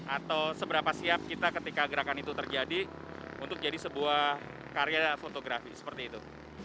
atau seberapa siap kita ketika gerakan itu terjadi untuk jadi sebuah karya fotografi seperti itu